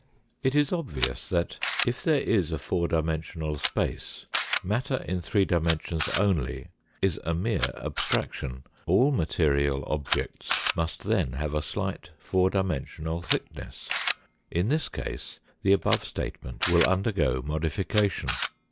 It is obvious that, if there is a four dimensional space, matter in three dimensions only is a mere abstraction ; all material objects must then have a slight four dimensional thickness. In this case the above statement will undergo modification.